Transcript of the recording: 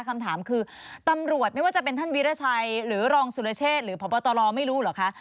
คำถามคือตำรวจไม่ว่าจะเป็นท่านวิราชัยหรือรองสุรเชษหรือพบตรไม่รู้เหรอคะ